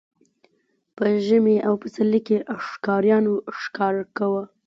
په ژمي او پسرلي کې ښکاریانو ښکار کاوه.